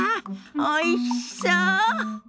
おいしそう！